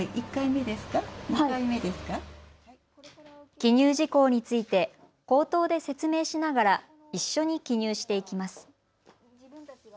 記入事項について口頭で説明しながら一緒に記入していきます。